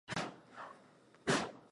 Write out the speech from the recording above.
Bila ya ukweli huwezi kupata uaminifu